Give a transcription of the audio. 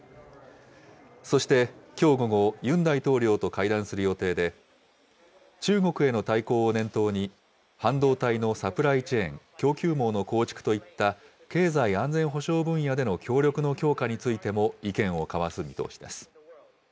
そしてきょう午後、ユン大統領と会談する予定で、中国への対抗を念頭に、半導体のサプライチェーン・供給網の構築といった経済安全保障分野での協力の強化についても意見を交わす見通しです。